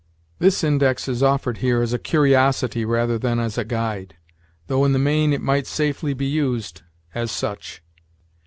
This index is offered here as a curiosity rather than as a guide, though in the main it might safely be used as such.